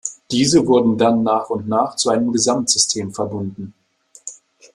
Diese wurden dann nach und nach zu einem Gesamtsystem verbunden.